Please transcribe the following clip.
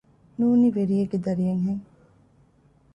ނޫނީ ވެރިޔެއްގެ ދަރިއެއް ހެން